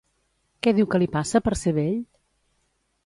Què diu que li passa per ser vell?